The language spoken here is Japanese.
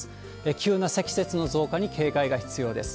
急な積雪の増加に警戒が必要です。